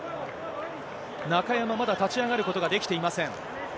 中山、まだ立ち上がることができていません。